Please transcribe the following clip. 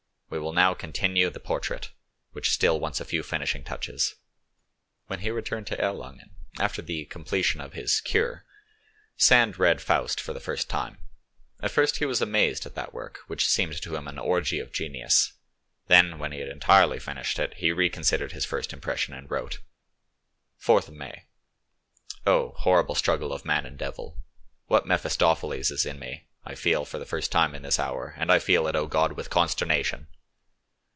We will now continue the portrait, which still wants a few finishing touches. When he returned to Erlangen, after the completion of his "cure," Sand read Faust far the first time. At first he was amazed at that work, which seemed to him an orgy of genius; then, when he had entirely finished it, he reconsidered his first impression, and wrote:— "4th May "Oh, horrible struggle of man and devil! What Mephistopheles is in me I feel far the first time in this hour, and I feel it, O God, with consternation!